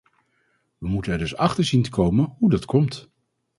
We moeten er dus achter zien te komen hoe dat komt.